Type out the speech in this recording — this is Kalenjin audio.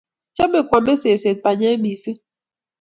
Chame koame seset mpanyek mising